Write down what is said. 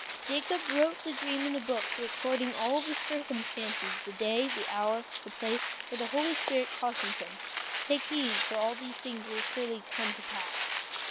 Jacob wrote the dream in a book, recording all the circumstances, the day, the hour, and the place, for the holy spirit cautioned him, "Take heed, these things will surely come to pass."